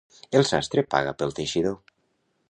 El sastre paga pel teixidor.